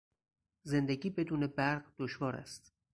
زندگی بدون برق دشوار است.